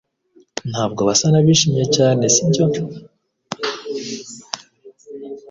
Ntabwo basa n'abishimye cyane sibyo